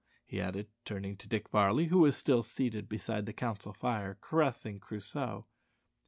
he added, turning to Dick Varley, who was still seated beside the council fire caressing Crusoe.